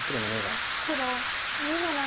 黒２の七。